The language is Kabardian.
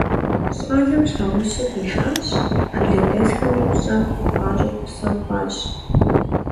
ЩӀалэм щхьэгъуси къишащ, жылэдэсхэми пщӀэ къыхуащӀу псэу хъуащ.